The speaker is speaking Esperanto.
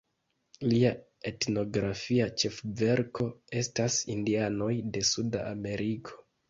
Lia etnografia ĉefverko estas Indianoj de Suda Ameriko.